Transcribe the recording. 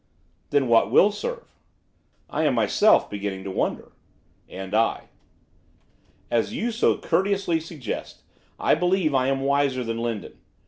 'Then what will serve?' 'I am myself beginning to wonder.' 'And I.' 'As you so courteously suggest, I believe I am wiser than Lindon.